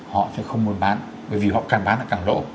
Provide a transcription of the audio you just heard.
họ sẽ không muốn bán bởi vì họ càng bán được càng lỗ